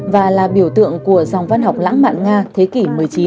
và là biểu tượng của dòng văn học lãng mạn nga thế kỷ một mươi chín